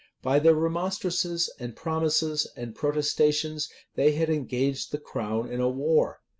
By their remonstrances, and promises, and protestations, they had engaged the crown in a war.